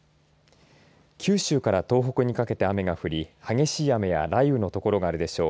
九州から東北にかけて雨が降り激しい雨や雷雨の所があるでしょう。